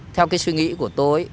theo cái suy nghĩ của tôi